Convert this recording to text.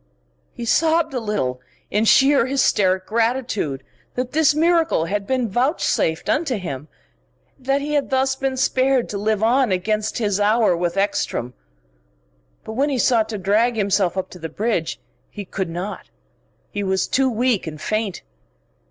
He sobbed a little in sheer hysteric gratitude, that this miracle had been vouchsafed unto him, that he had thus been spared to live on against his hour with Ekstrom. But when he sought to drag himself up to the bridge, he could not, he was too weak and faint.